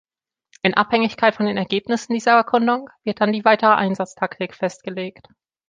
In Abhängigkeit von den Ergebnissen dieser Erkundung wird dann die weitere Einsatztaktik festgelegt.